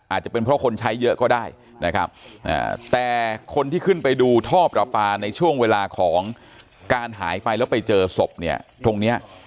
อาจจะเป็นเพราะคนใช้เยอะก็ได้นะครับแต่คนที่ขึ้นไปดูท่อประปาในช่วงเวลาของการหายไปแล้วไปเจอศพเนี่ยตรงเนี้ย